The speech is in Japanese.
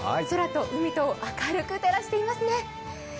空と海と明るく照らしていますね。